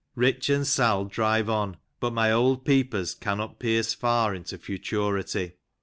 ... Rich and Sal drive on, but my old peepers cannot pierce far into futurity.